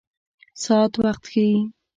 ساعت وخت ښيي